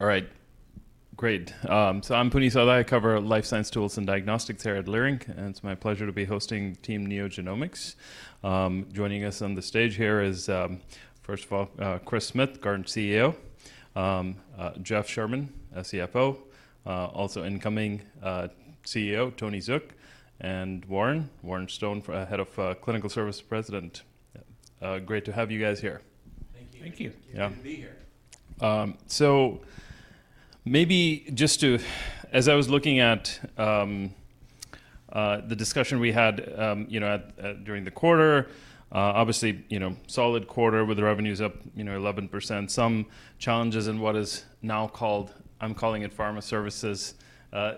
All right. Great. I am Puneet Souda. I cover life science tools and diagnostics here at Leerink, and it is my pleasure to be hosting Team NeoGenomics. Joining us on the stage here is, first of all, Chris Smith, current CEO; Jeff Sherman, CFO; also incoming CEO, Tony Zook; and Warren Stone, head of clinical services, president. Great to have you guys here. Thank you. Thank you. Good to be here. Maybe just to, as I was looking at the discussion we had during the quarter, obviously solid quarter with revenues up 11%, some challenges in what is now called, I'm calling it Pharma Services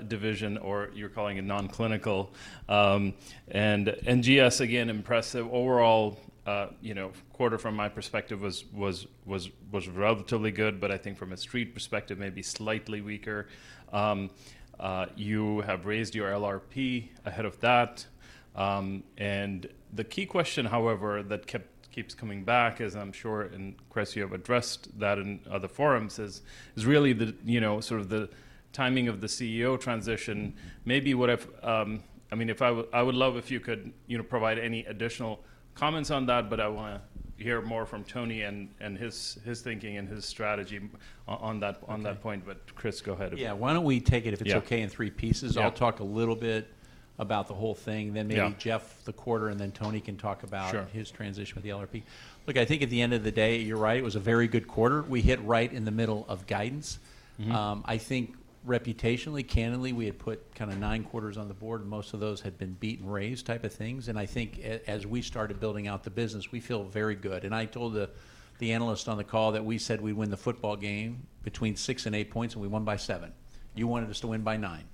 division, or you're calling it non-clinical. And NGS, again, impressive. Overall quarter, from my perspective, was relatively good, but I think from a street perspective, maybe slightly weaker. You have raised your LRP ahead of that. The key question, however, that keeps coming back, as I'm sure, and Chris, you have addressed that in other forums, is really sort of the timing of the CEO transition. Maybe what I've, I mean, I would love if you could provide any additional comments on that, but I want to hear more from Tony and his thinking and his strategy on that point. Chris, go ahead. Yeah. Why don't we take it, if it's okay, in three pieces? I'll talk a little bit about the whole thing, then maybe Jeff the quarter, and then Tony can talk about his transition with the LRP. Look, I think at the end of the day, you're right, it was a very good quarter. We hit right in the middle of guidance. I think reputationally, candidly, we had put kind of nine quarters on the board, and most of those had been beat and raised type of things. I think as we started building out the business, we feel very good. I told the analyst on the call that we said we'd win the football game between six and eight points, and we won by seven. You wanted us to win by nine.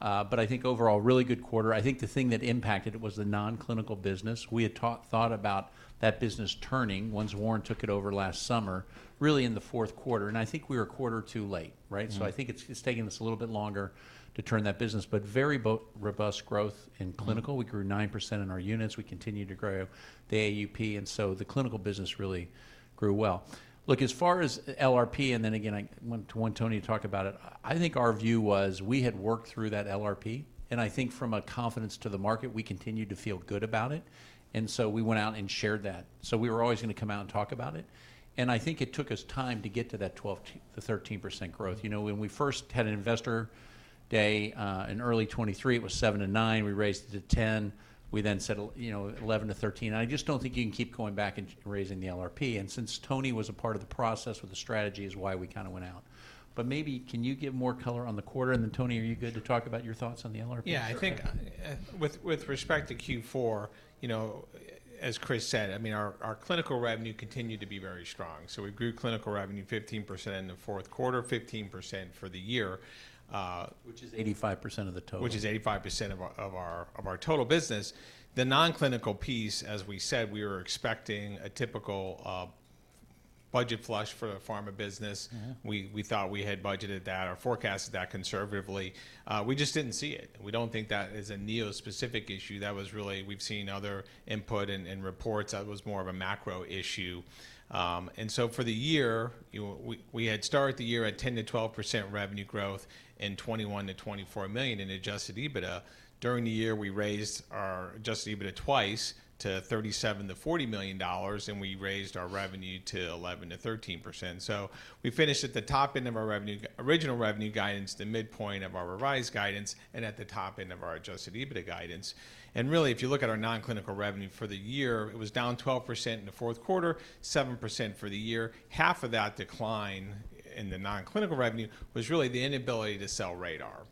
I think overall, really good quarter. I think the thing that impacted it was the non-clinical business. We had thought about that business turning once Warren took it over last summer, really in the fourth quarter. I think we were a quarter too late, right? I think it's taken us a little bit longer to turn that business. Very robust growth in clinical. We grew 9% in our units. We continued to grow the AUP, and the clinical business really grew well. Look, as far as LRP, I want Tony to talk about it. I think our view was we had worked through that LRP, and I think from a confidence to the market, we continued to feel good about it. We went out and shared that. We were always going to come out and talk about it. I think it took us time to get to that 12%-13% growth. When we first had an investor day in early 2023, it was 7%-9%. We raised it to 10%. We then said 11%-13%. I just do not think you can keep going back and raising the LRP. Since Tony was a part of the process with the strategy, that is why we kind of went out. Maybe can you give more color on the quarter? Tony, are you good to talk about your thoughts on the LRP? Yeah. I think with respect to Q4, as Chris said, I mean, our clinical revenue continued to be very strong. We grew clinical revenue 15% in the fourth quarter, 15% for the year. Which is 85% of the total. Which is 85% of our total business. The non-clinical piece, as we said, we were expecting a typical budget flush for the pharma business. We thought we had budgeted that or forecasted that conservatively. We just did not see it. We do not think that is a NeoGenomics-specific issue. That was really, we have seen other input and reports. That was more of a macro issue. For the year, we had started the year at 10%-12% revenue growth and $21 million-$24 million in adjusted EBITDA. During the year, we raised our adjusted EBITDA twice to $37 million-$40 million, and we raised our revenue to 11%-13%. We finished at the top end of our original revenue guidance, the midpoint of our revised guidance, and at the top end of our adjusted EBITDA guidance. If you look at our non-clinical revenue for the year, it was down 12% in the fourth quarter, 7% for the year. Half of that decline in the non-clinical revenue was really the inability to sell RaDaR.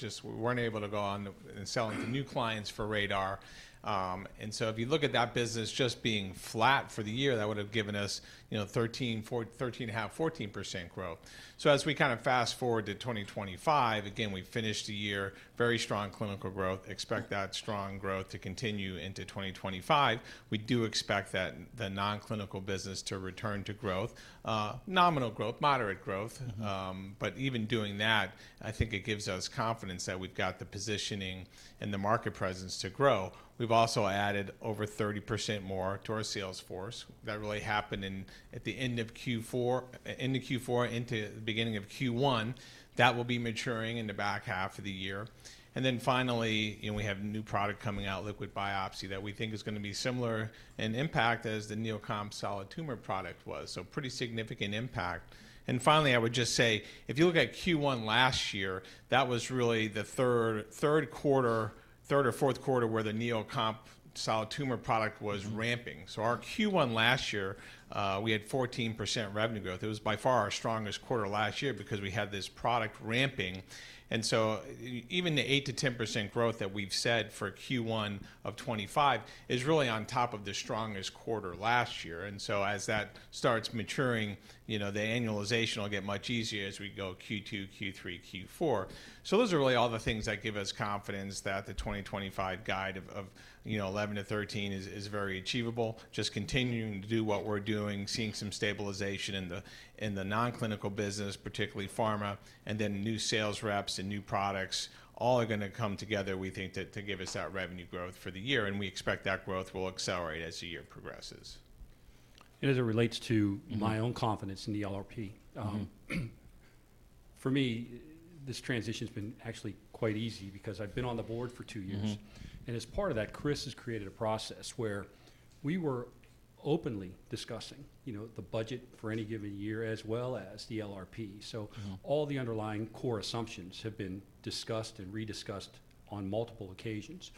We were not able to go on and sell to new clients for RaDaR. If you look at that business just being flat for the year, that would have given us 13%-14% growth. As we kind of fast forward to 2025, we finished the year with very strong clinical growth. Expect that strong growth to continue into 2025. We do expect that the non-clinical business will return to growth, nominal growth, moderate growth. Even doing that, I think it gives us confidence that we have the positioning and the market presence to grow. We've also added over 30% more to our sales force. That really happened at the end of Q4, into Q4, into the beginning of Q1. That will be maturing in the back half of the year. Finally, we have new product coming out, liquid biopsy, that we think is going to be similar in impact as the Neo Comp solid tumor product was. Pretty significant impact. Finally, I would just say, if you look at Q1 last year, that was really the third quarter, third or fourth quarter where the Neo Comp solid tumor product was ramping. Our Q1 last year, we had 14% revenue growth. It was by far our strongest quarter last year because we had this product ramping. Even the 8%-10% growth that we've said for Q1 of 2025 is really on top of the strongest quarter last year. As that starts maturing, the annualization will get much easier as we go Q2, Q3, Q4. Those are really all the things that give us confidence that the 2025 guide of 11%-13% is very achievable, just continuing to do what we're doing, seeing some stabilization in the non-clinical business, particularly pharma, and then new sales reps and new products all are going to come together, we think, to give us that revenue growth for the year. We expect that growth will accelerate as the year progresses. As it relates to my own confidence in the LRP, for me, this transition has been actually quite easy because I've been on the board for two years. As part of that, Chris has created a process where we were openly discussing the budget for any given year as well as the LRP. All the underlying core assumptions have been discussed and rediscussed on multiple occasions.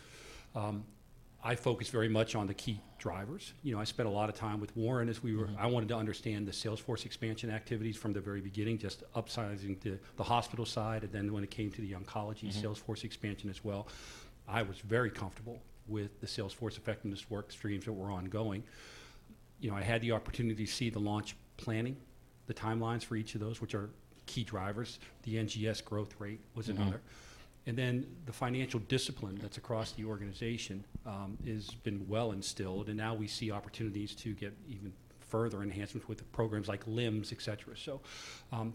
I focus very much on the key drivers. I spent a lot of time with Warren as we were, I wanted to understand the sales force expansion activities from the very beginning, just upsizing the hospital side. When it came to the oncology sales force expansion as well, I was very comfortable with the sales force effectiveness work streams that were ongoing. I had the opportunity to see the launch planning, the timelines for each of those, which are key drivers. The NGS growth rate was another. The financial discipline that's across the organization has been well instilled, and now we see opportunities to get even further enhancements with programs like LIMS, etc.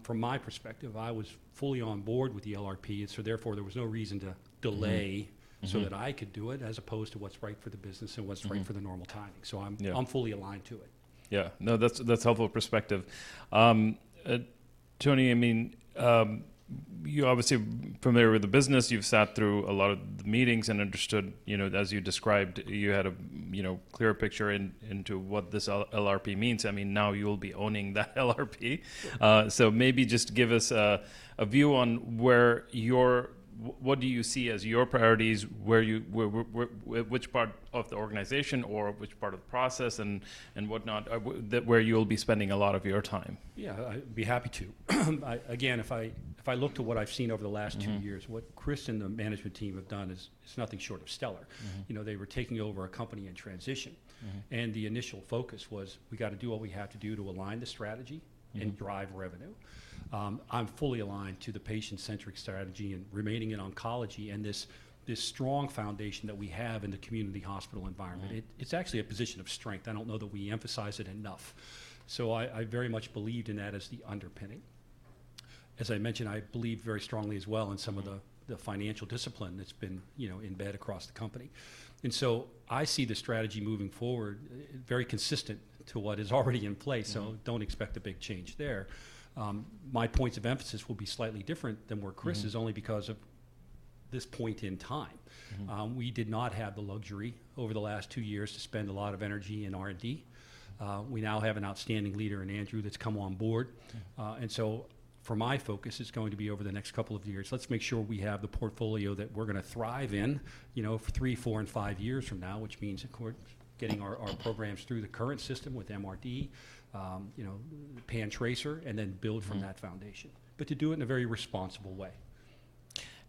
From my perspective, I was fully on board with the LRP, and therefore there was no reason to delay so that I could do it as opposed to what's right for the business and what's right for the normal timing. I'm fully aligned to it. Yeah. No, that's helpful perspective. Tony, I mean, you're obviously familiar with the business. You've sat through a lot of the meetings and understood, as you described, you had a clearer picture into what this LRP means. I mean, now you'll be owning that LRP. Maybe just give us a view on what do you see as your priorities, which part of the organization or which part of the process and whatnot, where you'll be spending a lot of your time. Yeah. I'd be happy to. Again, if I look to what I've seen over the last two years, what Chris and the management team have done is nothing short of stellar. They were taking over a company in transition, and the initial focus was we got to do what we have to do to align the strategy and drive revenue. I'm fully aligned to the patient-centric strategy and remaining in oncology and this strong foundation that we have in the community hospital environment. It's actually a position of strength. I don't know that we emphasize it enough. I very much believed in that as the underpinning. As I mentioned, I believe very strongly as well in some of the financial discipline that's been embedded across the company. I see the strategy moving forward very consistent to what is already in place, so do not expect a big change there. My points of emphasis will be slightly different than where Chris is only because of this point in time. We did not have the luxury over the last two years to spend a lot of energy in R&D. We now have an outstanding leader in Andrew that has come on board. For my focus, it is going to be over the next couple of years. Let's make sure we have the portfolio that we are going to thrive in three, four, and five years from now, which means getting our programs through the current system with MRD, PanTracer, and then build from that foundation, but to do it in a very responsible way.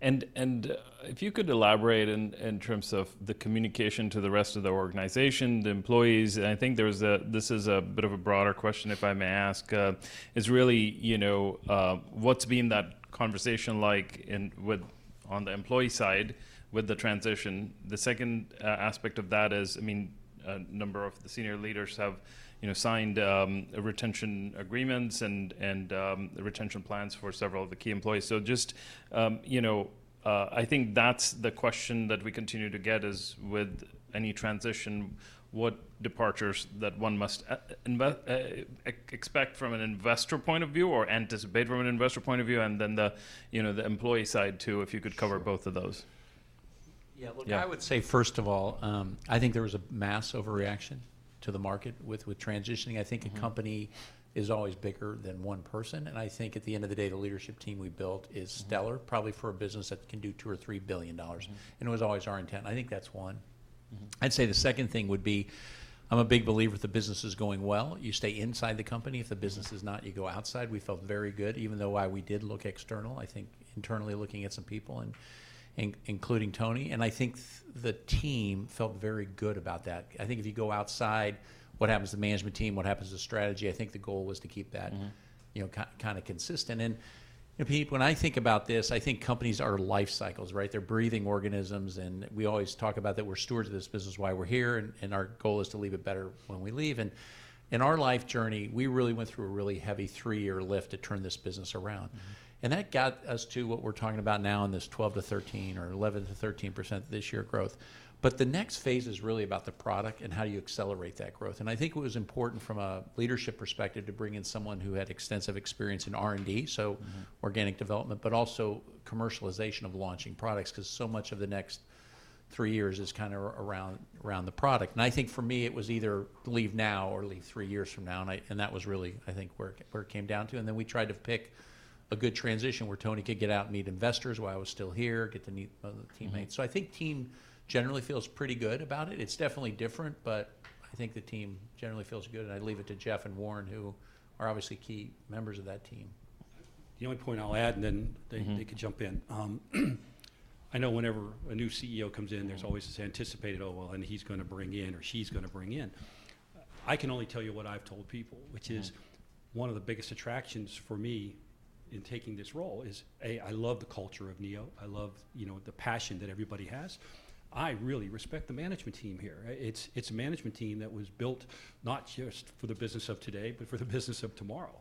If you could elaborate in terms of the communication to the rest of the organization, the employees, and I think this is a bit of a broader question, if I may ask, is really what's been that conversation like on the employee side with the transition? The second aspect of that is, I mean, a number of the senior leaders have signed retention agreements and retention plans for several of the key employees. Just I think that's the question that we continue to get is with any transition, what departures that one must expect from an investor point of view or anticipate from an investor point of view, and then the employee side too, if you could cover both of those. Yeah. Look, I would say, first of all, I think there was a mass overreaction to the market with transitioning. I think a company is always bigger than one person. I think at the end of the day, the leadership team we built is stellar, probably for a business that can do $2 billion or $3 billion. It was always our intent. I think that's one. I'd say the second thing would be, I'm a big believer if the business is going well, you stay inside the company. If the business is not, you go outside. We felt very good, even though why we did look external, I think internally looking at some people, including Tony. I think the team felt very good about that. I think if you go outside, what happens to the management team, what happens to strategy? I think the goal was to keep that kind of consistent. Pete, when I think about this, I think companies are life cycles, right? They're breathing organisms. We always talk about that we're stewards of this business, why we're here, and our goal is to leave it better when we leave. In our life journey, we really went through a really heavy three-year lift to turn this business around. That got us to what we're talking about now in this 12%-13% or 11%-13% this year growth. The next phase is really about the product and how do you accelerate that growth. I think it was important from a leadership perspective to bring in someone who had extensive experience in R&D, so organic development, but also commercialization of launching products because so much of the next three years is kind of around the product. I think for me, it was either leave now or leave three years from now. That was really, I think, where it came down to. We tried to pick a good transition where Tony could get out and meet investors while I was still here, get to meet the teammates. I think team generally feels pretty good about it. It is definitely different, but I think the team generally feels good. I leave it to Jeff and Warren, who are obviously key members of that team. The only point I'll add, and then they could jump in. I know whenever a new CEO comes in, there's always this anticipated, "Oh, well, and he's going to bring in," or, "She's going to bring in." I can only tell you what I've told people, which is one of the biggest attractions for me in taking this role is, A, I love the culture of Neo. I love the passion that everybody has. I really respect the management team here. It's a management team that was built not just for the business of today, but for the business of tomorrow.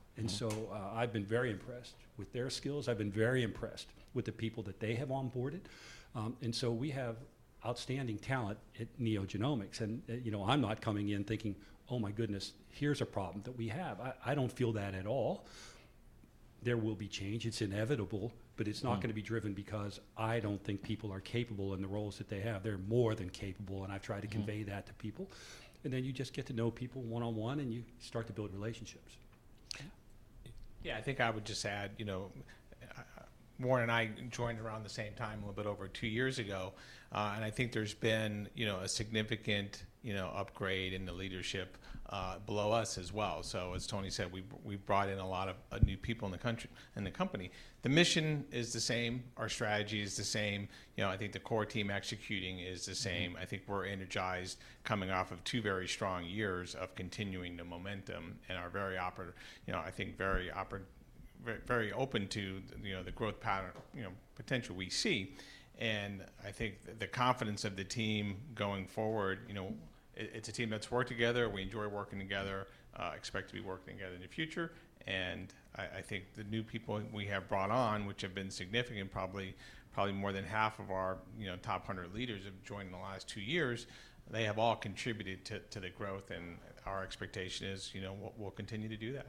I have been very impressed with their skills. I have been very impressed with the people that they have onboarded. We have outstanding talent at NeoGenomics. I'm not coming in thinking, "Oh my goodness, here's a problem that we have." I do not feel that at all. There will be change. It's inevitable, but it's not going to be driven because I don't think people are capable in the roles that they have. They're more than capable. I have tried to convey that to people. You just get to know people one on one, and you start to build relationships. Yeah. I think I would just add, Warren and I joined around the same time a little bit over two years ago. I think there's been a significant upgrade in the leadership below us as well. As Tony said, we've brought in a lot of new people in the company. The mission is the same. Our strategy is the same. I think the core team executing is the same. I think we're energized coming off of two very strong years of continuing the momentum and are very operative. I think very open to the growth pattern potential we see. I think the confidence of the team going forward, it's a team that's worked together. We enjoy working together, expect to be working together in the future. I think the new people we have brought on, which have been significant, probably more than half of our top 100 leaders have joined in the last two years, they have all contributed to the growth. Our expectation is we'll continue to do that.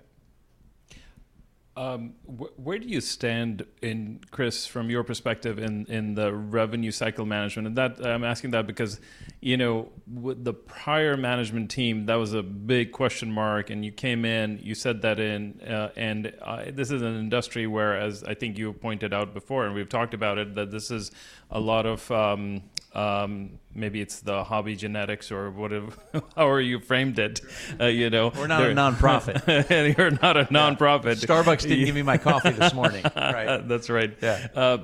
Where do you stand in, Chris, from your perspective in the revenue cycle management? I am asking that because the prior management team, that was a big question mark. You came in, you said that in, and this is an industry where, as I think you pointed out before, and we have talked about it, that this is a lot of maybe it is the hobby genetics or however you framed it. We're not a nonprofit. You're not a nonprofit. Starbucks didn't give me my coffee this morning. That's right. Yeah.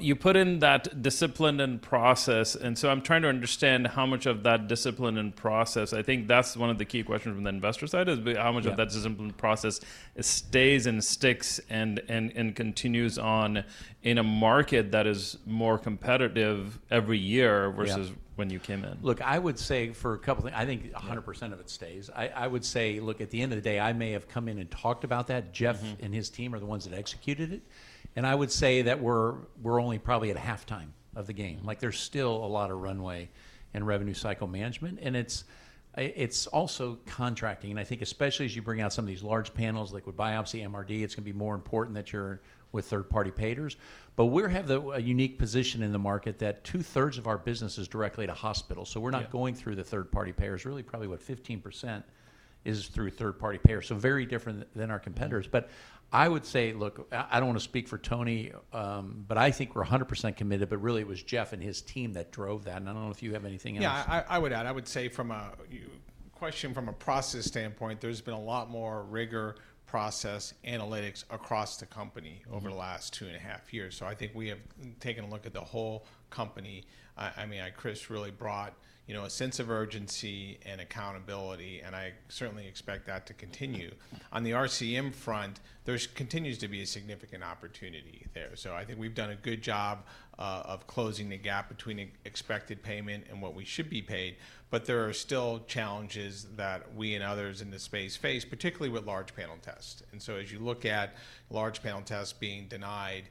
You put in that discipline and process. I'm trying to understand how much of that discipline and process, I think that's one of the key questions from the investor side, is how much of that discipline and process stays and sticks and continues on in a market that is more competitive every year versus when you came in. Look, I would say for a couple of things, I think 100% of it stays. I would say, look, at the end of the day, I may have come in and talked about that. Jeff and his team are the ones that executed it. I would say that we're only probably at halftime of the game. There's still a lot of runway and revenue cycle management. It is also contracting. I think especially as you bring out some of these large panels like with biopsy, MRD, it's going to be more important that you're with third-party payers. We have a unique position in the market that two-thirds of our business is directly to hospitals. We are not going through the third-party payers. Really, probably what, 15% is through third-party payers. Very different than our competitors. I would say, look, I don't want to speak for Tony, but I think we're 100% committed, but really it was Jeff and his team that drove that. I don't know if you have anything else. Yeah. I would add, I would say from a question from a process standpoint, there's been a lot more rigor, process, analytics across the company over the last two and a half years. I think we have taken a look at the whole company. I mean, Chris really brought a sense of urgency and accountability, and I certainly expect that to continue. On the RCM front, there continues to be a significant opportunity there. I think we've done a good job of closing the gap between expected payment and what we should be paid. There are still challenges that we and others in the space face, particularly with large panel tests. As you look at large panel tests being denied,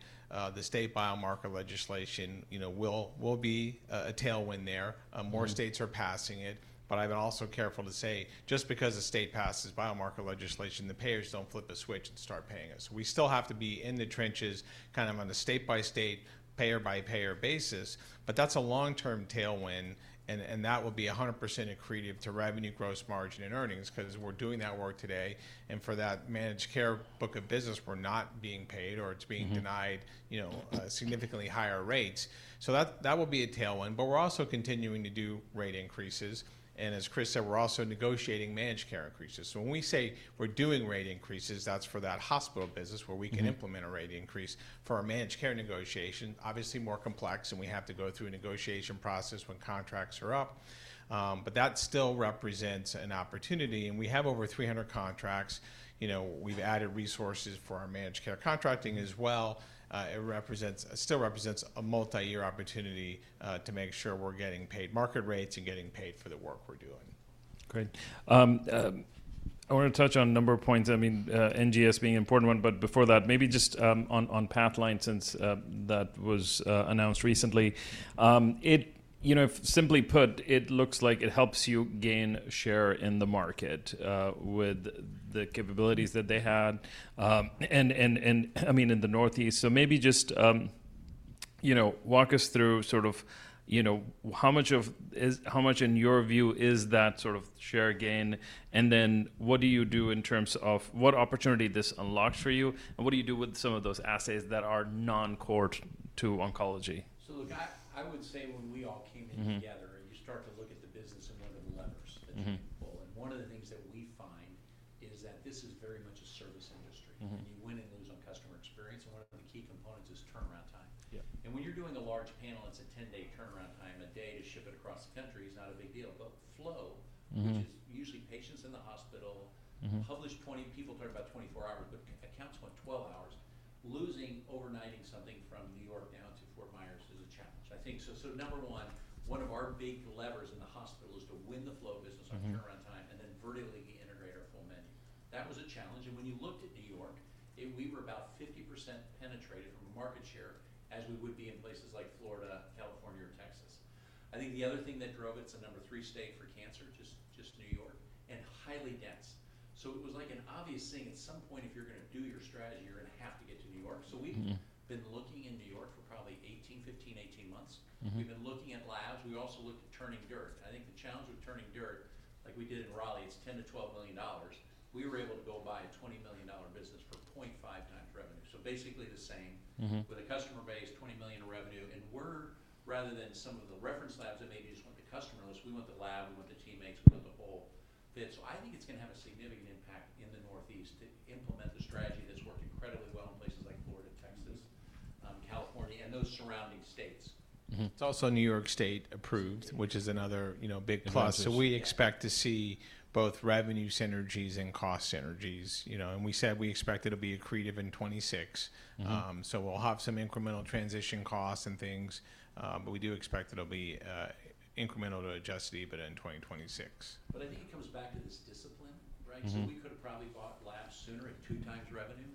the state biomarker legislation will be a tailwind there. More states are passing it. I've been also careful to say, just because a state passes biomarker legislation, the payers don't flip a switch and start paying us. We still have to be in the trenches kind of on a state-by-state, payer-by-payer basis. That is a long-term tailwind, and that will be 100% accretive to revenue, gross margin, and earnings because we're doing that work today. For that managed care book of business, we're not being paid or it's being denied at significantly higher rates. That will be a tailwind. We're also continuing to do rate increases. As Chris said, we're also negotiating managed care increases. When we say we're doing rate increases, that's for that hospital business where we can implement a rate increase. For our managed care negotiation, obviously it is more complex, and we have to go through a negotiation process when contracts are up. That still represents an opportunity. We have over 300 contracts. We've added resources for our managed care contracting as well. It still represents a multi-year opportunity to make sure we're getting paid market rates and getting paid for the work we're doing. Great. I want to touch on a number of points. I mean, NGS being an important one, but before that, maybe just on Pathline since that was announced recently. Simply put, it looks like it helps you gain share in the market with the capabilities that they had, I mean, in the Northeast. Maybe just walk us through sort of how much in your view is that sort of share gain? What do you do in terms of what opportunity this unlocks for you? What do you do with some of those assets that are non-core to oncology? I would say when we all came in together, you start to look at the business in one of the levers that people. One of the things that we find is that this is very much a service industry. You win and lose on customer experience. One of the key components is turnaround time. When you're doing a large panel, it's a 10-day turnaround time. A day to ship it across the country is not a big deal. Flow, which is usually patients in the hospital, published 20 people talk about 24 hours, but accounts went 12 hours. Losing overnighting something from New York down to Fort Myers is a challenge, I think. Number one, one of our big levers in the hospital is to win the flow business on turnaround time and then vertically integrate our full menu. That was a challenge. When you looked at New York, we were about 50% penetrated from a market share as we would be in places like Florida, California, or Texas. I think the other thing that drove it is it is the number three state for cancer, just New York, and highly dense. It was like an obvious thing. At some point, if you are going to do your strategy, you are going to have to get to New York. We have been looking in New York for probably 15-18 months. We have been looking at labs. We also looked at turning dirt. I think the challenge with turning dirt, like we did in Raleigh, is it is $10 million-$12 million. We were able to go buy a $20 million business for 0.5 times revenue. Basically the same with a customer base, $20 million revenue. Rather than some of the reference labs that maybe just want the customer list, we want the lab, we want the teammates, we want the whole fit. I think it's going to have a significant impact in the Northeast to implement the strategy that's worked incredibly well in places like Florida, Texas, California, and those surrounding states. is also New York State approved, which is another big plus. We expect to see both revenue synergies and cost synergies. We said we expect it to be accretive in 2026. We will have some incremental transition costs and things, but we do expect it will be incremental to adjusted EBITDA in 2026. I think it comes back to this discipline, right? We could have probably bought labs sooner at two times revenue.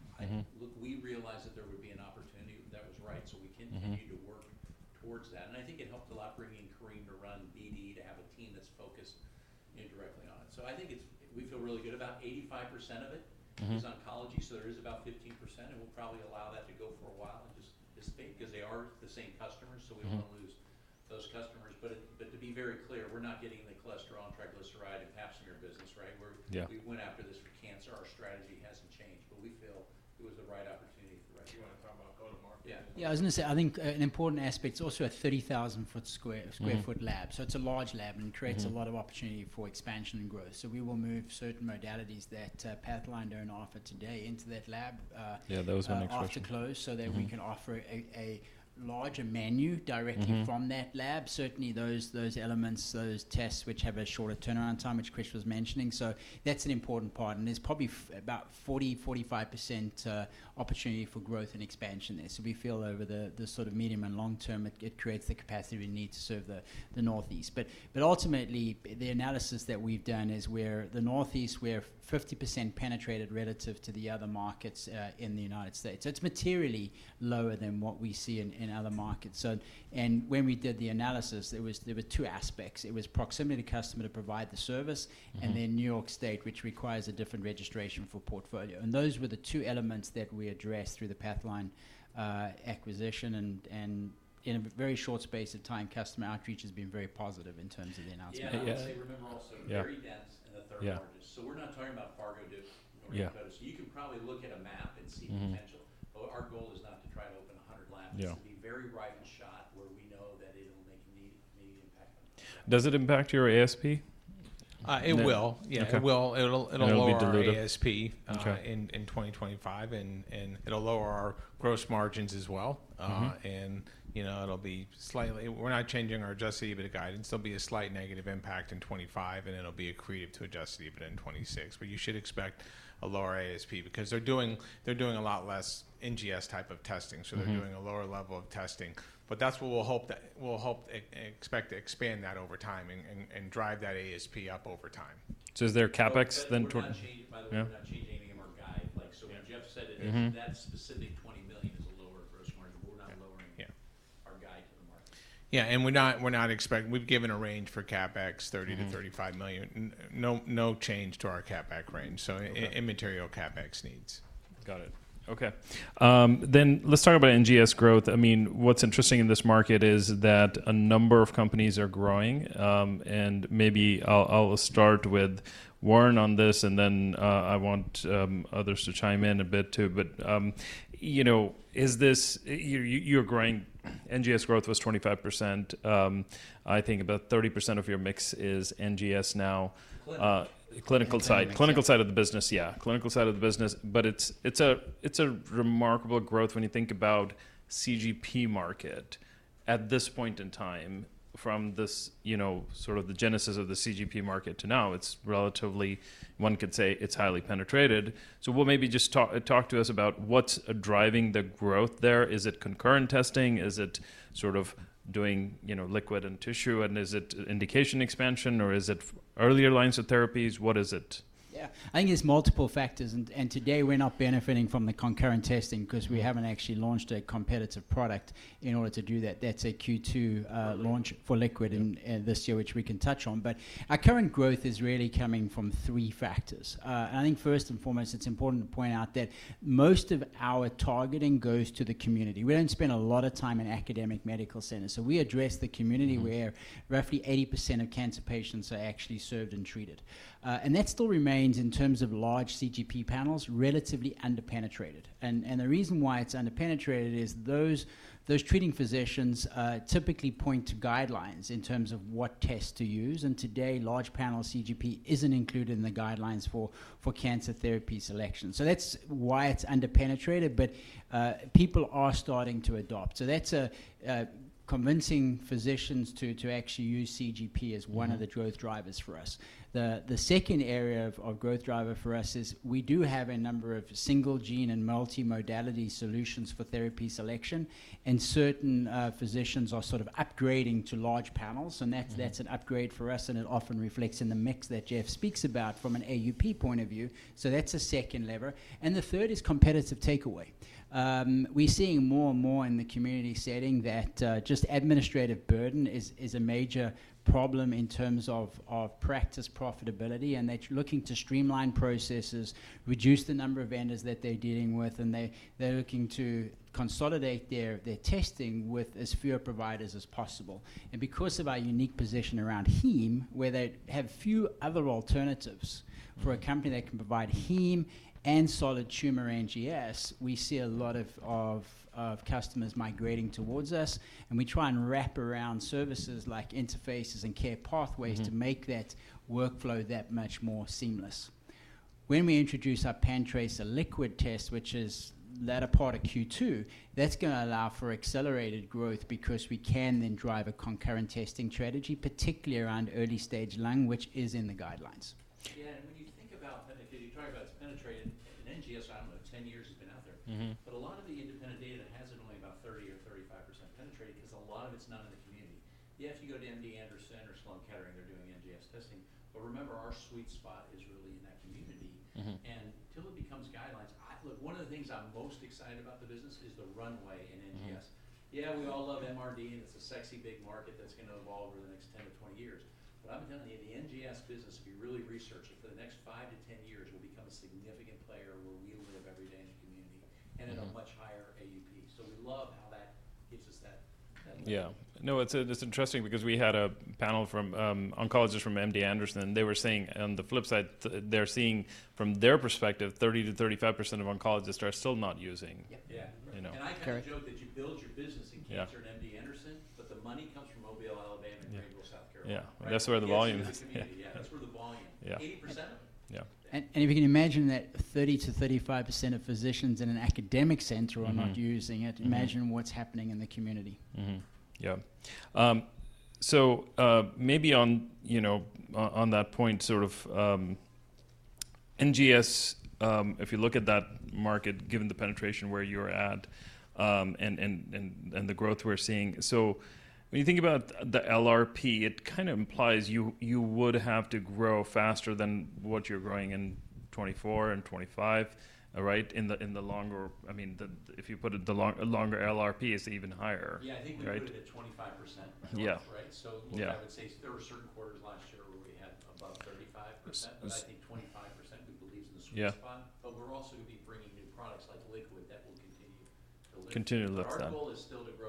We realized that there would be an opportunity that was right, so we continued to work towards that. I think it helped a lot bringing Kareem to run BD to have a team that's focused indirectly on it. I think we feel really good about 85% of it is oncology. There is about 15%. We'll probably allow that to go for a while and just disappear because they are the same customers. We do not want to lose those customers. To be very clear, we're not getting the cholesterol, triglyceride, and pap smear business, right? We went after this for cancer. Our strategy hasn't changed, but we feel it was the right opportunity for the right people. You want to talk about go-to-market? Yeah. I was going to say, I think an important aspect is also a 30,000 sq ft lab. It is a large lab and creates a lot of opportunity for expansion and growth. We will move certain modalities that Pathline do not offer today into that lab. Yeah, that was my next question. After close so that we can offer a larger menu directly from that lab. Certainly, those elements, those tests which have a shorter turnaround time, which Chris was mentioning. That is an important part. There is probably about 40%-45% opportunity for growth and expansion there. We feel over the sort of medium and long term, it creates the capacity we need to serve the Northeast. Ultimately, the analysis that we have done is where the Northeast, we are 50% penetrated relative to the other markets in the United States. It is materially lower than what we see in other markets. When we did the analysis, there were two aspects. It was proximity to customer to provide the service and then New York State, which requires a different registration for portfolio. Those were the two elements that we addressed through the Pathline acquisition. In a very short space of time, customer outreach has been very positive in terms of the announcement. I would say remember also, very dense in the third margins. We are not talking about Fargo, Dubuque, or Northeast Coast. You can probably look at a map and see potential. Our goal is not to try to open 100 labs. It is to be very ripe and shot where we know that it will make immediate impact on customers. Does it impact your ASP? It will. Yeah. It will lower our ASP in 2025. It will lower our gross margins as well. We're not changing our adjusted EBITDA guidance. There will be a slight negative impact in 2025, and it will be accretive to adjusted EBITDA in 2026. You should expect a lower ASP because they're doing a lot less NGS type of testing. They're doing a lower level of testing. That is what we will hope to expect to expand over time and drive that ASP up over time. Is there CapEx then? We're not changing it by the way. We're not changing any of our guide. When Jeff said it, that specific $20 million is a lower gross margin. We're not lowering our guide to the market. Yeah. We are not expecting—we have given a range for CapEx, $30 million-$35 million. No change to our CapEx range. So immaterial CapEx needs. Got it. Okay. I mean, let's talk about NGS growth. I mean, what's interesting in this market is that a number of companies are growing. I mean, maybe I will start with Warren on this, and then I want others to chime in a bit too. You are growing. NGS growth was 25%. I think about 30% of your mix is NGS now. Clinical side. Clinical side of the business, yeah. Clinical side of the business. It's a remarkable growth when you think about CGP market at this point in time. From sort of the genesis of the CGP market to now, it's relatively—one could say it's highly penetrated. Maybe just talk to us about what's driving the growth there. Is it concurrent testing? Is it sort of doing liquid and tissue? Is it indication expansion? Is it earlier lines of therapies? What is it? Yeah. I think it's multiple factors. Today, we're not benefiting from the concurrent testing because we haven't actually launched a competitive product in order to do that. That's a Q2 launch for liquid this year, which we can touch on. Our current growth is really coming from three factors. I think first and foremost, it's important to point out that most of our targeting goes to the community. We don't spend a lot of time in academic medical centers. We address the community where roughly 80% of cancer patients are actually served and treated. That still remains, in terms of large CGP panels, relatively underpenetrated. The reason why it's underpenetrated is those treating physicians typically point to guidelines in terms of what tests to use. Today, large panel CGP isn't included in the guidelines for cancer therapy selection. That's why it's underpenetrated. People are starting to adopt. That is convincing physicians to actually use CGP as one of the growth drivers for us. The second area of growth driver for us is we do have a number of single-gene and multi-modality solutions for therapy selection. Certain physicians are sort of upgrading to large panels. That is an upgrade for us. It often reflects in the mix that Jeff speaks about from an AUP point of view. That is a second lever. The third is competitive takeaway. We are seeing more and more in the community setting that just administrative burden is a major problem in terms of practice profitability. They are looking to streamline processes, reduce the number of vendors that they are dealing with. They are looking to consolidate their testing with as few providers as possible. Because of our unique position around Heme, where they have few other alternatives for a company that can provide Heme and solid tumor NGS, we see a lot of customers migrating towards us. We try and wrap around services like interfaces and care pathways to make that workflow that much more seamless. When we introduce our PanTracer liquid test, which is latter part of Q2, that is going to allow for accelerated growth because we can then drive a concurrent testing strategy, particularly around early-stage lung, which is in the guidelines. Yeah. When you think about that, because you're talking about it's penetrated, and NGS, I don't know, 10 years has been out there. A lot of the independent data has it only about 30% or 35% penetrated because a lot of it's not in the community. If you go to MD Anderson or Sloan Kettering, they're doing NGS testing. Remember, our sweet spot is really in that community. Until it becomes guidelines, look, one of the things I'm most excited about the business is the runway in NGS. We all love MRD, and it's a sexy big market that's going to evolve over the next 10-20 years. I have been telling you, the NGS business, if you really research it, for the next 5-10 years, will become a significant player where we live every day in the community and at a much higher AUP. We love how that gives us that. Yeah. No, it's interesting because we had a panel from oncologists from MD Anderson. They were saying on the flip side, they're seeing from their perspective, 30%-35% of oncologists are still not using. Yeah. I kind of joke that you build your business in cancer in MD Anderson, but the money comes from Mobile, Alabama, and Greenville, South Carolina. Yeah. That's where the volume is. That's where the volume. 80% of them. Yeah. If you can imagine that 30%-35% of physicians in an academic center are not using it, imagine what's happening in the community. Yeah. Maybe on that point, sort of NGS, if you look at that market, given the penetration where you're at and the growth we're seeing. When you think about the LRP, it kind of implies you would have to grow faster than what you're growing in 2024 and 2025, right? In the longer, I mean, if you put it, the longer LRP is even higher. Yeah. I think we're going to hit 25%, right? I would say there were certain quarters last year where we had above 35%. I think 25% we believe is the sweet spot. We're also going to be bringing new products like liquid that will continue to live. Continue to live that. Our goal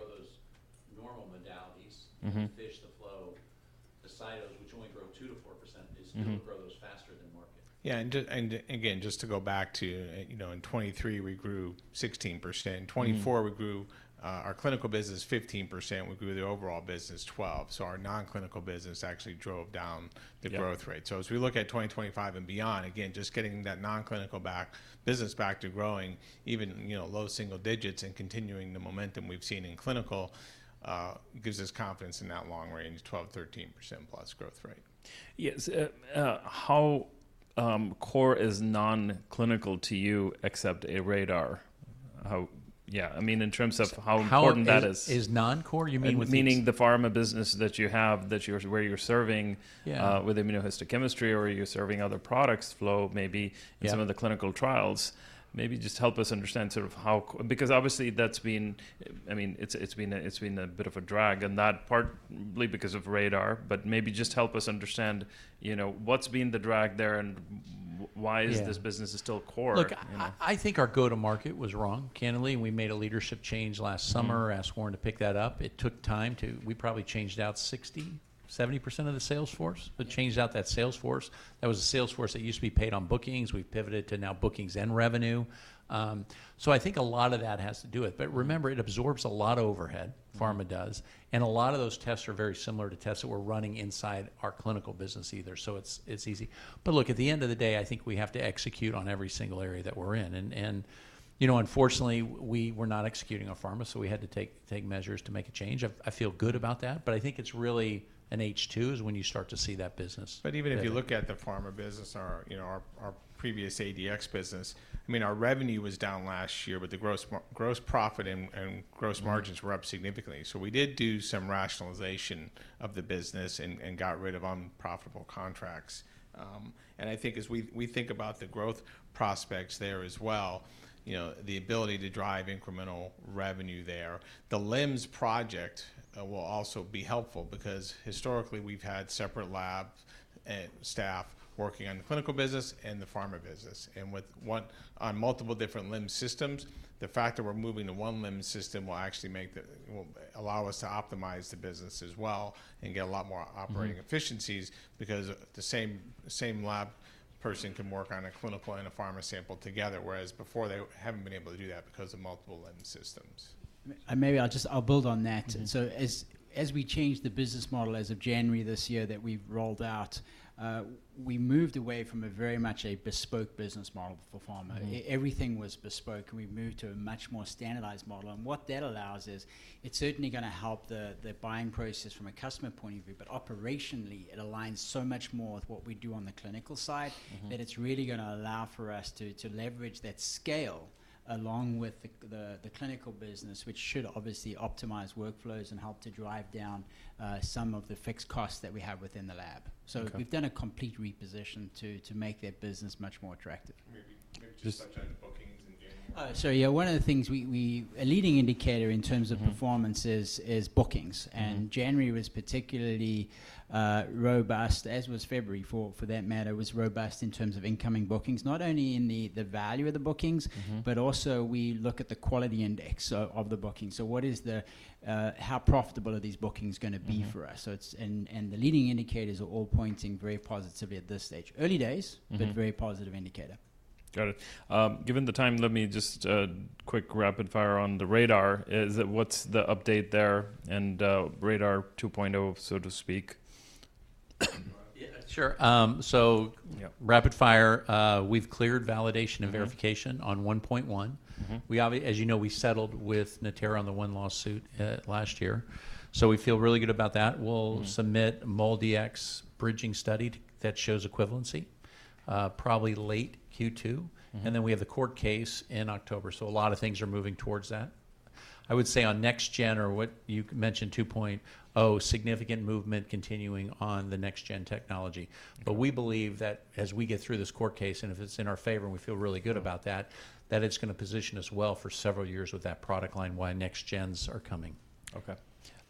is still to grow those normal modalities, FISH, the Flow, the Cytos, which only grow 2%-4%, is still to grow those faster than market. Yeah. Again, just to go back to, in 2023, we grew 16%. In 2024, we grew our clinical business 15%. We grew the overall business 12%. Our non-clinical business actually drove down the growth rate. As we look at 2025 and beyond, just getting that non-clinical business back to growing, even low single digits, and continuing the momentum we've seen in clinical gives us confidence in that long range, 12%-13% plus growth rate. Yes. How core is non-clinical to you except RaDaR? Yeah. I mean, in terms of how important that is. How is non-core? You mean with. Meaning the pharma business that you have, where you're serving with immunohistochemistry or you're serving other products, flow, maybe, and some of the clinical trials. Maybe just help us understand sort of how, because obviously that's been, I mean, it's been a bit of a drag. That partly because of RaDaR. Maybe just help us understand what's been the drag there and why this business is still core. I think our go-to-market was wrong, candidly. We made a leadership change last summer, asked Warren to pick that up. It took time to—we probably changed out 60-70% of the sales force. Changed out that sales force. That was a sales force that used to be paid on bookings. We have pivoted to now bookings and revenue. I think a lot of that has to do with it. Remember, it absorbs a lot of overhead, pharma does. A lot of those tests are very similar to tests that we are running inside our clinical business either. It is easy. Look, at the end of the day, I think we have to execute on every single area that we are in. Unfortunately, we were not executing on pharma. We had to take measures to make a change. I feel good about that. I think it's really in H2 is when you start to see that business. Even if you look at the pharma business, our previous CDx business, I mean, our revenue was down last year, but the gross profit and gross margins were up significantly. We did do some rationalization of the business and got rid of unprofitable contracts. I think as we think about the growth prospects there as well, the ability to drive incremental revenue there, the LIMS project will also be helpful because historically, we've had separate lab staff working on the clinical business and the pharma business. On multiple different LIMS systems, the fact that we're moving to one LIMS system will actually allow us to optimize the business as well and get a lot more operating efficiencies because the same lab person can work on a clinical and a pharma sample together, whereas before, they have not been able to do that because of multiple LIMS systems. Maybe I'll just build on that. As we changed the business model as of January this year that we've rolled out, we moved away from very much a bespoke business model for pharma. Everything was bespoke. We moved to a much more standardized model. What that allows is it's certainly going to help the buying process from a customer point of view. Operationally, it aligns so much more with what we do on the clinical side that it's really going to allow for us to leverage that scale along with the clinical business, which should obviously optimize workflows and help to drive down some of the fixed costs that we have within the lab. We've done a complete reposition to make that business much more attractive. Maybe just touch on bookings in January. Yeah, one of the things we—a leading indicator in terms of performance is bookings. January was particularly robust, as was February for that matter, was robust in terms of incoming bookings, not only in the value of the bookings, but also we look at the quality index of the bookings. What is the—how profitable are these bookings going to be for us? The leading indicators are all pointing very positively at this stage. Early days, but very positive indicator. Got it. Given the time, let me just quick rapid fire on the RaDaR. What's the update there and RaDaR 2.0, so to speak? Sure. Rapid fire. We've cleared validation and verification on 1.1. As you know, we settled with Natera on the one lawsuit last year. We feel really good about that. We'll submit a MolDX bridging study that shows equivalency, probably late Q2. We have the court case in October. A lot of things are moving towards that. I would say on next-gen or what you mentioned, 2.0, significant movement continuing on the next-gen technology. We believe that as we get through this court case, and if it's in our favor and we feel really good about that, it's going to position us well for several years with that product line while next-gens are coming. Okay.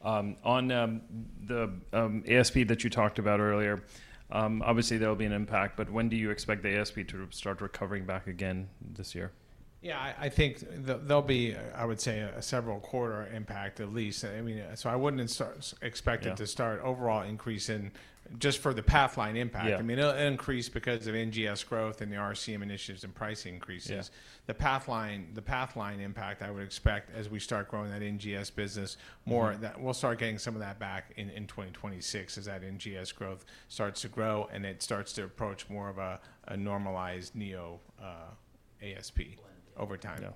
On the ASP that you talked about earlier, obviously, there will be an impact. When do you expect the ASP to start recovering back again this year? Yeah. I think there'll be, I would say, a several-quarter impact at least. I mean, I wouldn't expect it to start overall increase in just for the Pathline impact. I mean, it'll increase because of NGS growth and the RCM initiatives and price increases. The Pathline impact, I would expect as we start growing that NGS business more, we'll start getting some of that back in 2026 as that NGS growth starts to grow and it starts to approach more of a normalized Neo-ASP over time.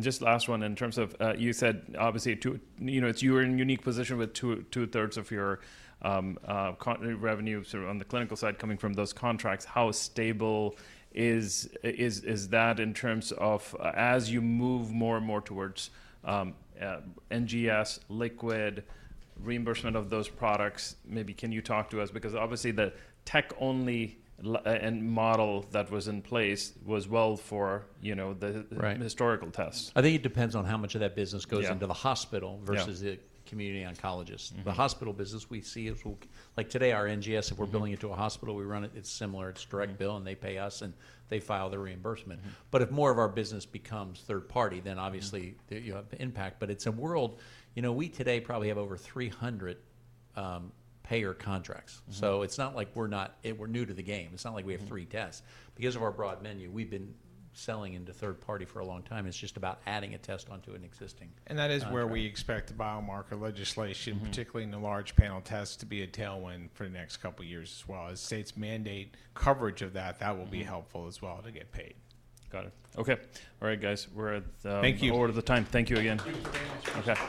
Just last one, in terms of you said, obviously, you're in a unique position with two-thirds of your continent revenue sort of on the clinical side coming from those contracts. How stable is that in terms of as you move more and more towards NGS, liquid, reimbursement of those products? Maybe can you talk to us? Because obviously, the tech-only model that was in place was well for the historical test. I think it depends on how much of that business goes into the hospital versus the community oncologist. The hospital business we see is like today, our NGS, if we're billing into a hospital, we run it. It's similar. It's direct bill. They pay us. They file the reimbursement. If more of our business becomes third-party, then obviously, you have impact. It's a world—we today probably have over 300 payer contracts. It's not like we're new to the game. It's not like we have three tests. Because of our broad menu, we've been selling into third-party for a long time. It's just about adding a test onto an existing. That is where we expect the biomarker legislation, particularly in the large panel tests, to be a tailwind for the next couple of years as well. As states mandate coverage of that, that will be helpful as well to get paid. Got it. Okay. All right, guys. We're at the. Thank you. Over the time. Thank you again. Thank you very much. Okay.